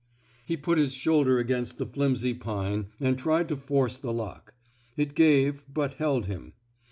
He put his shoulder against the flimsy pine, and tried to force the lock. It gave, but held him.